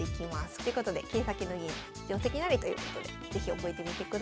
ということで「桂先の銀定跡なり」ということで是非覚えてみてください。